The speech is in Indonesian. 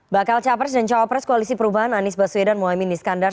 bakal capres dan cawapres koalisi perubahan anies baswedan mohaimin iskandar